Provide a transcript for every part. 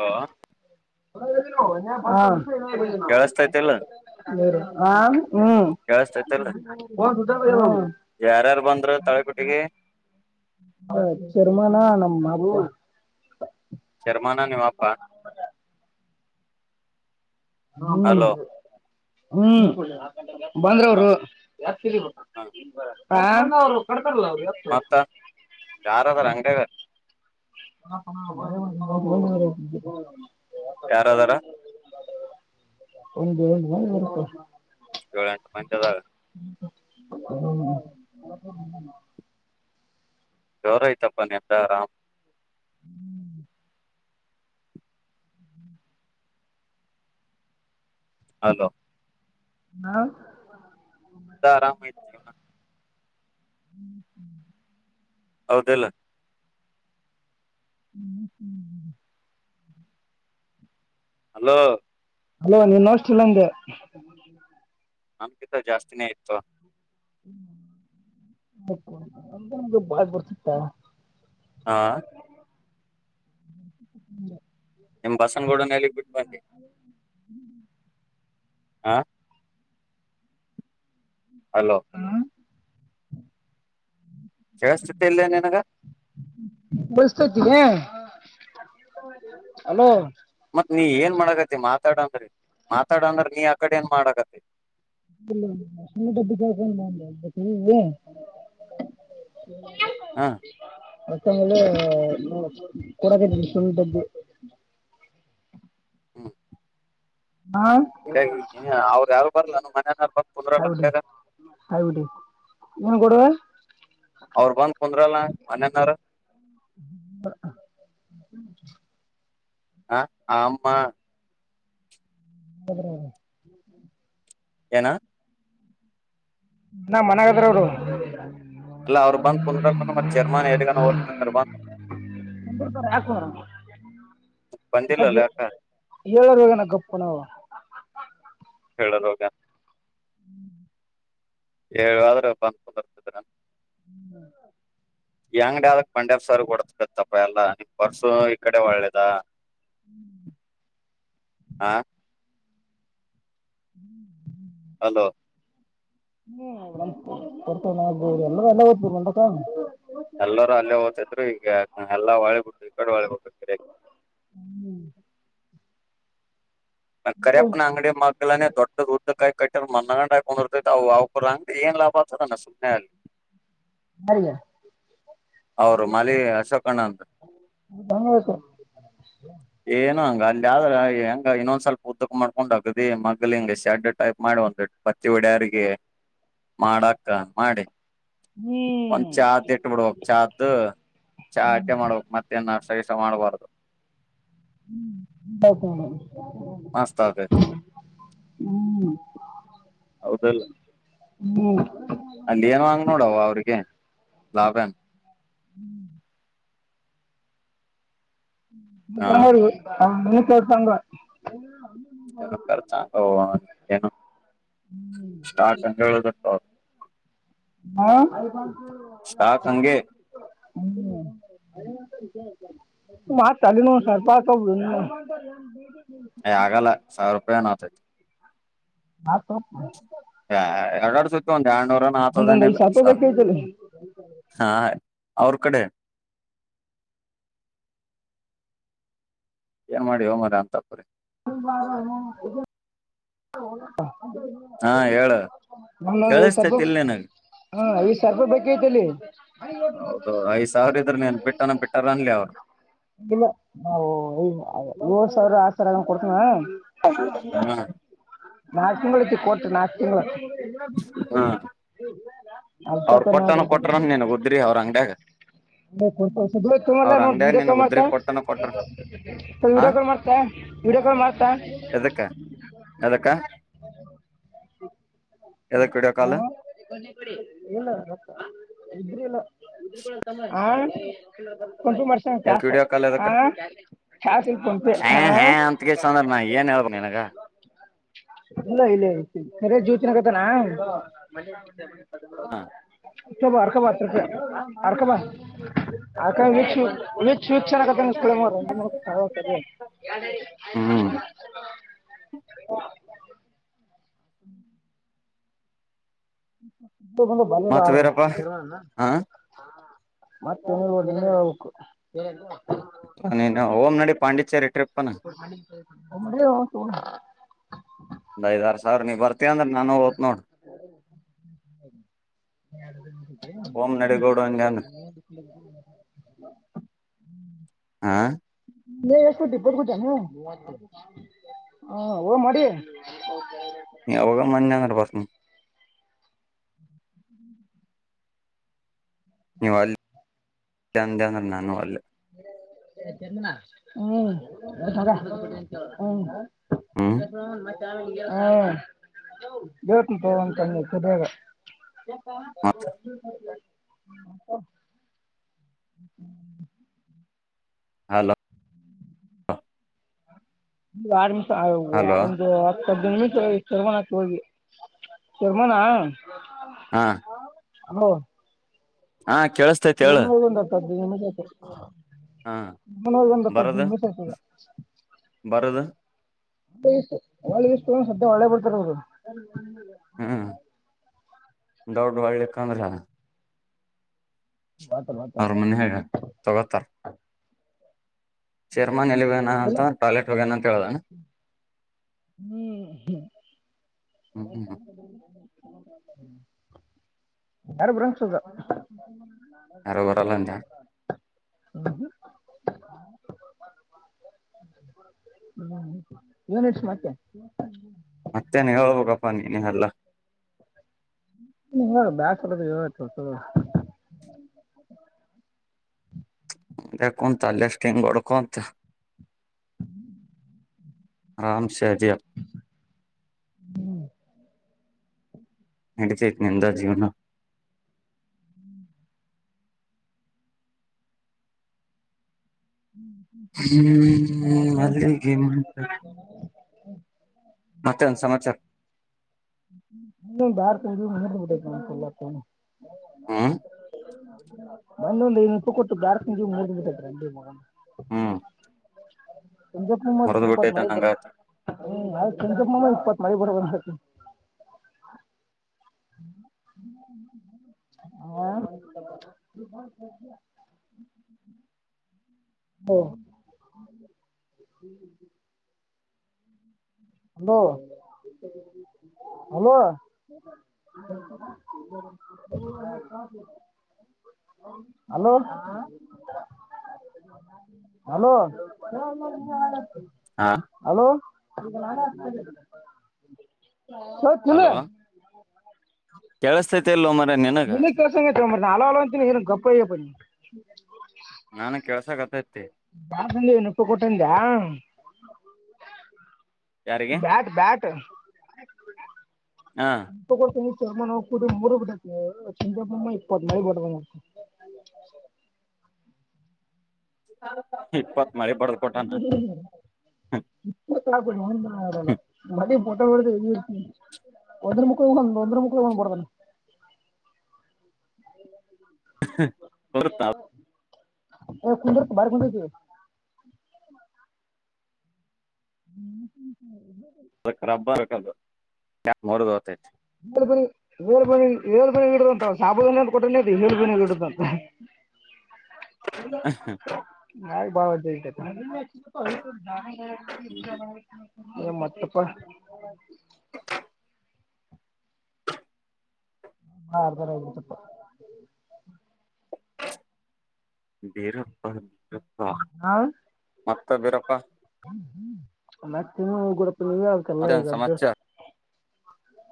ಹಾ ಹಾ ಕೇಳಸ್ತೈತಿಲ್ಲ ಆ ಯಾರ್ಯಾರ ಬಂದರು ತಾಳಿಕೋಟಿಗೆ ಹ ಸರ್ಮಾನಾ ನಮ್ಮ ಮಗು ಶರ್ಮಾನ ನಿಮ್ಮ ಅಪ್ಪ ಹ ಅಲೋ ಹ್ಮ್ ಬಂದ್ರೆ ಹ ಅವರು ಹ ತ ಮತ್ತ ಯಾರದಾರ ಅಂಗಡ್ಯಾಗ ಮ ಬ ಯಾರದಾರ ಒಂದು ಒರ್ತ ಏಳೆಂಟು ಮಂದಿ ಅದರ ಹ್ಮ ಜೋರೈತಪ್ಪ ನಿಮ್ದು? ನಿಮ್ದೇ ಆರಾಮ ಹ್ಮ್ ಹಲೋ ಹಾ ನಿಮ್ಮದೇ ಆರಾಮಿತಿ ಜೀವನ ಹ್ಮ್ ಹ್ಮ ಹೌದಿಲ್ ಹ್ಮ್ ಹ್ಮ್ ಹಲೋ ಅಲೋ ನೀನು ಅಷ್ಟ ಇಲ್ಲಂದೆ ನಮ್ಕಿತ ಜಾಸ್ತಿನೇ ಇತ್ತು ಬ ಬಡ್ತ ಹಾ ಹ ನಿಮ್ ಬಸನಗೂಡನಲ್ಲಿ ಹ ಆ ಹಲೋ ಕೇಳಿ ಸ್ಥಿತಿ ಇಲ್ಲಲೇ ನಿನಗ ಅಲೋ ಮತ್ ನೀ ಏನ್ ಮಾಡಕತ್ತತಿ ಮಾತಾಡ ಅಂದ್ರೆ ಮಾತಾಡ ಅಂದ್ರ ನೀ ಆ ಕಡೆ ಏನ್ ಮಾಡಕ್ಕತ್ತಿ ಇಬಕ ಬಾಬಾ ಹ ಮತ ಕೊಡಕದ ಸಲ್ಟ್ದ ಹ್ಮ ಹಾ ಅವ್ರ ಯಾರು ಬರ್ಲ್ಲ ನಮ್ಮ ಮನೆಯನಾರ ಬಂದ್ ಕುಂದ್ರಲ್ಲ ಹಬಡಿ ಅಂಗಡ್ಯಾಗ ಏನ್ ಕೊಡುವ ಅವ್ರ ಬಂದ್ ಕುಂದ್ರಲ್ಲ ಮನ್ಯನಾರ [unintelligible] ಹ ಆಮ್ಮ ಹದ ಏನ ನಮ್ಮನೆಯಾಗದಾರರು ಅಲ್ಲ ಅವ್ರು ಬಂದ್ ಕುಂದರ ಚೇರ್ಮನ್ ಎಡುಗ ಓ ಬಂದ್ ಕುಂದುರ್ತಾರೆ ಯಾಕ್ ಕುಂದ್ರಲ್ಲ ಈ ಸ ಬಂದಿಲ್ಲಲ್ಲ ಯಾಕ ಏಳ ವಗಾನ ಗಪ್ಪಣ ಹೋಗ ಏಳಾದ್ರೂ ಬಂದ್ ಕುಂದ್ರನ್ ಹ್ಮ್ ಎಂಗಡ ಆದದಕ್ ಪಂಡ್ಯಸರ್ ಕೊಡತ ಬತ್ತಪ್ಪ ಎಲ್ಲ ಪರ್ಸು ಈ ಕಡೆ ಒಳ್ಳೇದ ಹಾ ಹ್ಮ್್ಮ ಅಲೋ ಹ್ಮ ಒರ್ತಗ್ಬೋುದು ಎಲ್ಲ ಎಲ್ಲ ಗ್ತ ಒಟಕ ಎಲ್ಲರೂ ಅಲ್ಲೇ ಓ್ತದ್ರು ಈಗ ಎಲ್ಲಾ ಹೊಳಿ ಬಿಟ್ಟು ಈ ಕಡೆ ಹೊಳಿ ಬಿಟ್ಟು ಕರೆ ಹ್ಮ್ ಕರೆಪ ಆಂಗಡಿ ಮ ಆಗ್ಲ್ದೊ ಉದ್ದ ಕಾಯ ಕಟ್ಟರ್ ಮ ನಕೊಂಡಿರ್ತೈತೆ ಅ ಅವಕ ಅಂಗ ಏನ್ ಲಾಭ ಆಗ್ತದ ನ ಸು್ನೆ ಅಲ್ಲಿ ಹಾರಯ ಅವರು ಮಾಲಿ ಅಶೋಕನಂದ್ ಹಂಗಬೇಕು ಏನು ಹಂಗ ಅಲ್ಲಿ ಆದ್ರ ಹೆಂಗ ಇನ್ನೊಂದ್ ಸ್ವಲ್ಪ ಉದ್ದಕ್ ಮಾಡ್ಕೊಂಡ್ ಹಕದ ಮಗ್ ಹಿಂಗ ಶೆಡ್ ಟೈಪ್ ಮಾಡುವ ಪತ್ತಿ ಹೊಡೆಯಿಗೆ ಮಾಡಕ ಮಾಡಿ ಹ್ಮ್ ಒಂದ್ ಚದ್ ಇಟ್ ಬಿಡ್ಬೇಕಕ್ ಚ್ದ್ ಚಾ ಅಟ್ಟೆ ಮಾಡ್ಬೇಕಕ್ ಮತ್ತ ನ್ಷ್ಟ ಸೈಸ ಮಾಡಬಾರದುು ಹ್ಮ ಹತ್ ಪಸ್ತಾವದೆ ಹ್ಮ್ ಹೌದಲ್ಲ ಮೂ ಅಲ್ಲಿ ಏನ್ಂಗ ನೋಡವ ಅವ್ರಿಗೆ ಲಾಭ ನ್ ಹ್ಮ್ ಹಾ ನಿ ತಂಗ್ವಾ ನು ಕರ್ತಾನು ಸ್ಟಾಕ್ ಅಟ್ಟ ಹಾ ಹ ಸ್ಟಾಕ್ ಹಂಗೆ ಮತ್ ಸಾಲ ನ ಸರ್ಪ ಅಯ್ಗಲ್ಲ ಸಾವಿರ ರೂಪಾಯಿ ನ್ ಆತತಿ ಹಾ ಸ ಹಾ ಎರಡಡು ಸುತ್ತ ಎನ್ನೂರ ನಾತ್ತ ಒಂದೊಂದ್ ಐದ್ ತನಲ್ಲ ಸರ್ಪ ಬೇಕೈತಲ್ಲಿ ಹಾ ಅವ್ರ ಕಡೆ ಏನ್ ಮಾಡಿ ಹ ಮ್ರ ಅಂತಪ್ರೀ ಹಾ ಹೇಳ ನ್ ಸರ್ಪ ಕೇಳಿಸತೈತಿಲ್ ನಿನಗ್ ಹ ಐದ್ ಸರ್ಪ ಬೇಕಐತಿಲ್ಲಿ ಹೌದು ಐದ್ ಸಾವಿರ ಇದ್ರ ನೀನ್ ಬಿಟ್ಟನ ಬಿಟ್ಟಾರ ಅನ್ಲಿ ಅವ್ರು ಇಲ್ಲ ಏಳ್ ಸಾವಿರ ಆರ್ ಸಾವಿರಗ ಕೊಡ್ತನ ಹ್ಮ ನಾಲ್ಕು ತಿಂಗಳಐತಿ ಕೊಟ್ಟ ನಾಕ್ ತಿಂಗಳ ಹ್ಮ್ ಅ ಅವ್ರ ತಕ ನ್ರ ಕೊಟ್ಟನ ಕೊಟ್ರ ನಿನಗ್ ಉದ್ರಿ ಅವ್ರ ಅಂಗಡ್ಯಾಗ ಲ್ಲ ಅವ್ರ ನೋ ಅಂಗಡ್ಯಾಗ ವಡಿಯೋ ಕಾಲ್ ನಿನಗ್ ಉದ್ರಿ ಮಾಡ್ತಾ ಕೊಟ್ಟನ ಕೊಟ್ರ ಹ ವಡಿಯೋ ಕಾಲ್ ಮಾಡ್ತಾ ವಿಡಿಯೋ ಕಾಲ್ ಮಾಡ್ತಾ ಎದಕ್ಕ ಎದಕ್ಕ ವಿಡಿಯೋ ಕಾಲು ಇಲ್ಲ ಇದ್ರ ಇಲ್ಲ ಕೊಂಚ ವರ್ಷ ಎದಕ್ ಕಸ ವಿಡಿಯೋ ಕಾಲ್ ಹ ಎದಕ್ ಚಾತಿಲ್ ಪಂಪ ಹಾ ಹಾ ಹ ಅಂತಗೆಸ ಅಂದ್ರ ನಾ ಏನ್ ಹೇಳ್ಬೇಕ್ ನಿನಗ ಇಲ್ಲ ಇಲ್ಲ ಜ್ಯೋತಿನ ಕತನಾ ಹಾ ಅ ಬ ಅರ್ಕಬಾ ಅಪ ಅರ್ಕಬ ಅು ಶೂಚರ್ ಆಗದ ಮೂರ್ತದೆ ಹ್ಮ್ ಹ ಹ್ಮ ಬರದ ಮತ್ ಆದ್ರ ವೀರಪ್ಪಾ ಹ ಮತ್ತೆ ನೀ ನೀ ಹು ಓಂ್ ನಡಿ ಪಾಂಡಿಚೇರಿ ಟ್ರಿಪ್ ಹ ಒಂದ್ ಐದಾರು ಸಾವಿರ ನೀ ಬರ್ತೀಯ ಅಂದ್ರ ನಾನು ಓತ್ ನೋಡ ನಡಿಗೌಡು ಹ್ಮ ಅಂದೆ ಅಂದ್ರ [inaudible] ಹಾ ನೀ ಯ ಡಿಬ್ಬಲ್ಗ ಜಾನೆ ಹಾ ಊ ಮಾಡಿ ನೀ ಅವಾಗ ಮಂ ಅಂಗರ ಬಸ್ು ನಿವ ಇ ಎಂತಾನೂ ಅಲ್ಲ ಹ್ಮ್ ಹ್ಮ್ ಹ ಹ್ಮ್ ಹಾ ಬತ ತಂತ ಸುದಾಗ ಹಾ ಸರ್. ಹ ಹ್ಮ [inaudible] ಹಲೋ. ಒಂದು ಆರುಮಿಷ ಆು ಹಲೋ ಒಂದು ಹದ ನಿಮಿಷ ಚರ್ಮಾನಕ್ಕೆ ಹೋಗಿ ಚರ್ಮಾನ ಹಾ ಹ ಹಾ ಕೇಳಸ್ತೇತ್ ಹೇಳ ಆತ ಹಾ ಒಂದ ಆತದೆ ಬರದು ಒ ಒಳ್ಳೆ ಇಷ್ಟತ ಸದ ಒಳ್ಳೆ ಬರ್ತಾರೆ ಹ್ಮ್ ದೌಡ್ ಒಳ್ಳಲಿಕ್ಕ ಅಂದ್ರ ಅವ್ರ ಮನೆ ಹ ತೊಗೊತಾರ ಚೇರ್ಮನ್ ಎಲ್ಲಿ ಹೋಗ್ಯನ ಇಲ್ಲ ಅಂತ ಟಾಯ್ಲೆಟ್ ಹೋಗ್ಯಣ ಅಂತ ಹೇಳುದಣ. ಹ್ಮ್ ಹ್ಮ. ಹ್ಮ್ [inaudible] ಯಾರು ಬರಂಗಸದ. [inaudible] ಯಾರು ಬರಲ್ಲ ಅಂದ ಹ ಏನ್ ನಡೆಸಿ ಮತ್ತ. ಮತ್ತೇನೆ ಹೇಳ್ಬೇಕಪ್ಪಾ ನೀನ ಎಲ್ಲ. ನೀ ಬ್ಯಾಸರ ಅಗೆತಿ ಯತ್ತುಸ. [inaudible] ಯಕ್ಕಂತಲ್ಲಷ್ಟಿಂಗ್ಡ್ಕಂತ. ಹ [inaudible] ಆರಾಮ್ ಸೇ ಅದಿ. ನಡೀತೇತಿ ನಿಂದ ಜೀವ್ನ. ಹ್ಮ್ ಮಾಡ್ಕೊಂತ ಮಲ್ಲಿಗೆ ಮಂಟಪ. ಮತ್ತೆನ ಸಮಾಚಾರ. ಬ ಕ ಮ ಬಡ ಗಾಮ ಕೊಲ್ಲತ್ತ. [inaudible] ಹ್ಮ್ ಹ್ಮತ. [inaudible] ಮಂದಂದು ತ ಕೊಟ್ಟು ಬಾರಕ ಮು ಬಿಟ್ಟ ರಂಡಿ ಮಗನ. ಹ್ಮ್. ಸಂಜಪ್ಪೂ ಮ ಮರದ ಇಪ್ಪತ್ ಬಿಟ್ಟೈತೆ ಮರ ಹ ನಂಗತಿ ಆಯ್ತ. ನಿಮಮ್ಮ ಇಪ್ಪತ್ ಮಾಡಿ ಬರಬಂದ. ಹ್ಮ. [inaudible] ಹಾ. ಹಲೋ. Hello hello. ಹ. [inaudible] ಹಲೋ. ಹಲೋ. ಹಾ ಹಲೋ. ಅಲೋ [unintelligible] ಕೇಳಸ್ತೈತಿ ಇಲ್ಲೋ ಮರ ನಿನಗ ಮ ಕಸ ನಾ ಹಲೋ ಹಲೋ ಅಂತ ಹ ಗಪ್ಪಯ. ನನಗ ಕೆಲಸಕಟ್ಟೆತಿ. ಬಾಳಂದ ನ ಉಪ್ಪಿ ಕೊಟ್ಟಿಂದ್ಯಾ. ಯಾರಿಗೆ ಬ್ಯಾಟ್ ಬ್ಯಾಟ್. ಹಾ ತಗೊತ ಚರ್ಮ ಕೂ ಮುರುಡ್ಬಿಟ್ಟೇಟಿ. ಚಿಜಪುರ ಇಪ್ಪತ್ತು ಮಳಿ ಬಡ್ಡನ್. ಇಪ್ಪತ್ ಮಳಿ ಬಡಿದ ಕೊಟ್ಟಿಎನ್. ಲ್ಲ ಮ ಮೋಟಲ್ ಒಂದ್ರ ಮುಕ್ಳ ಹೋಗ ಒಂದ್ರ ಮುಕ್ಳ ಹೋಗ್ ಬ ಕೊತಾ ಕು ಬಾರಿ ಕುಂದ ಹ್ಮ. ಅದ ರಬ್ಬರ್ದ ಹತೈತಿ. ಇಡಂತ ಸಾಬುದಾನಿ ಕೊಟ್ಟ ಹೇಳಿಡುದಂತ. ನಾಲಿಗೆ ಬಾಲ ಉದ್ದ ಆಗಿಬಿಟ್ಟೆಏನ್. ಮತ್ತಪ್ಪ. ಹ. [inaudible] ಹಾ ಬರಬರಿ ತಪ್ಪ. ಬೇರ. [inaudible] ಹ ಹಾ ಮತ್ತ ಬೀರಪ್ಪ. ಮತ್ತ ಗುಡಪ ನೀ ಅವದಕ್ಕೆಲ್ಲ ಮತ್ತೇನ್ ಈಗ ಅಭ್ಯಾಸ. ಸಮಾಚಾರ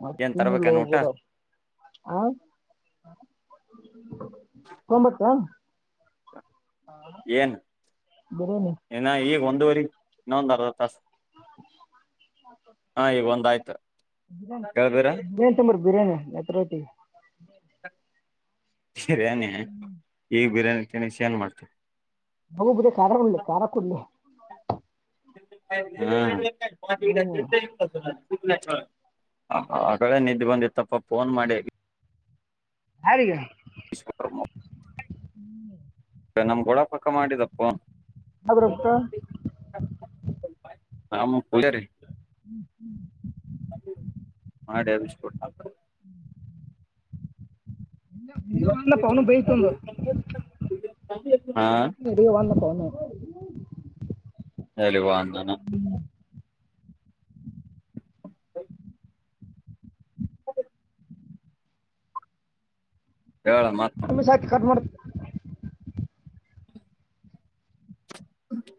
ಮ ಏನ್ ನೀ ಲೋ ತರ್ಬೇಕೇನ್ ಊಟ ಬರ ಹ ತಂಬತ್ತಾ ಏನ್ ಬಿರಿಯಾನಿ ಇನ್ನ ಈಗ ಒಂದುವರಿ ಇನ್ನೊಂದ ಅರ್ವ ತಾಸು ಹಾ ಈಗ ಒಂದಾಯ್ತು ಕೇಳ್ಬೀರ ಬಿ ತ್ರ ಬಿರಾನ ನತ್ರತಿ ಸರಿಾನೇ ಈಗ ಬಿರಿಯಾನಿ ತಿನಿಸಿ ಏನ್ ಮಾಡ್ತೇವಿ ನಗು ಬುದ ಕಾರಖಕಡ್ಲ್ಲಿ ಕಾರಖಾಕ್ಕುಡ್ಲ್ಲಿ ಹ್ಞೂ ಆ ಕಡೆ ನಿದ್ದೆ ಬಂದಿ ತಪ್ಪ ಫೋನ್ ಮಾಡಿ ಹಾರಿಗೆ [unintelligible] ಹ್ಮ್ ನಮ್ ಗೋಡ ಪಕ್ಕ ಮಾಡಿದಪ್ಪ ಅವ್ರ ಒತ ನ ಪೂಜ ರೀ ಹ್ಮ್ ಹ ವಿ ಸ್ಫೋಟ್ ಹ ಪ್ಪ ಅವನು ಬೇಯತಂದ ಹಾ ಬ ನಡ ಒಂದ ತನು ಅಲ್ಲಿುವ ಅಂದಾನ ಹೇಳಮ್ಮ ಆ ಸಾಕ ಕಟ್ ಮಾಡತ ಹ್ಮ ಹ್ಮ